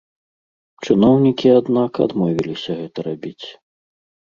Чыноўнікі, аднак, адмовіліся гэта рабіць.